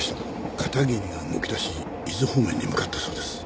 片桐が動きだし伊豆方面に向かったそうです。